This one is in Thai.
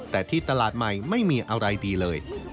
แต่ที่ตลาดใหม่ไม่มีอะไรดีเลย